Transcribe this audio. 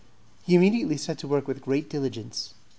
He immediately set to work with great diligence.